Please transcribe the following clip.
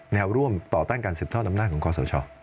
แนวร่วมต่อตั้งการ๑๐ท่อน้ำหน้าของกศ